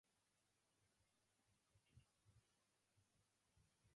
One of the main concerns is pollution, especially in industrial areas.